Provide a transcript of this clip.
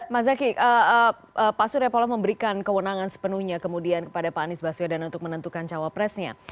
mas zaky pak suriapolo memberikan kewenangan sepenuhnya kemudian kepada pak anies baswedan untuk menentukan cawa presnya